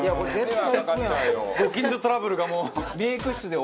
ご近所トラブルがもう。